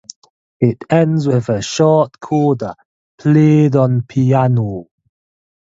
It ends with a short coda played on piano.